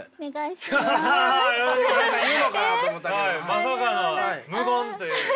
まさかの無言というね。